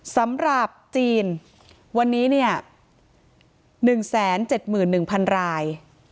สำหรับจีนวันนี้เนี่ย๑๗๑๐๐๐ราย